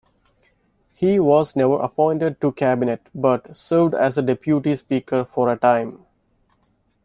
He was never appointed to cabinet, but served as Deputy Speaker for a time.